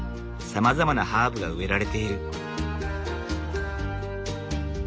さまざまなハーブが植えられている。